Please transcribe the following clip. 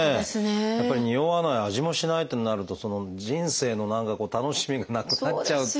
やっぱりにおわない味もしないってなると人生の何か楽しみがなくなっちゃうっていうような。